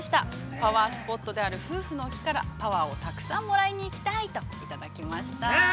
パワースポットである夫婦の木からパワーをたくさんもらいに行きたいといただきました。